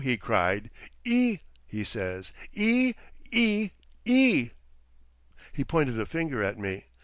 he cried. "E, he says. E! E! E!" He pointed a finger at me.